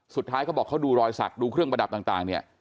สุดท้ายเขาบอกดูรอยสักดูเครื่องประดับต่าง